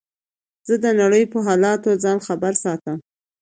زه د نړۍ په حالاتو ځان خبر ساتم.